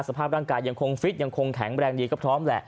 สภาพร่างกายยังคงฟิตยังคงแข็งแรงดีก็พร้อมแหละ